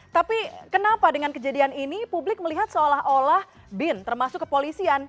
tapi kenapa dengan kejadian ini publik melihat seolah olah bin termasuk kepolisian